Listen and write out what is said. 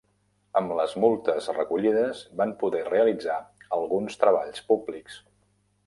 Amb les multes recollides van poder realitzar alguns treballs públics.